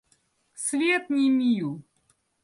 Свет не мил.